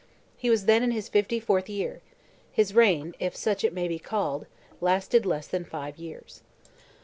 He was then in his fifty fourth year; his reign—if such it may be called—lasted less than five years.